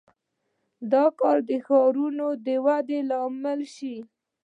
• دا کار د ښارونو د ودې لامل شو.